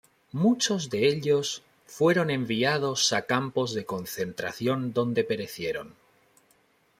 Muchos de ellos fueron enviados a campos de concentración donde perecieron.